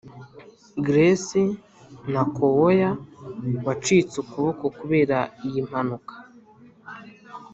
grace nakawooya wacitse ukuboko kubera iyi mpanuka,